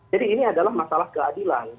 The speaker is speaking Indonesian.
jadi ini adalah masalah keadilan